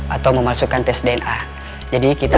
atau memasukkan tes dna jadi kita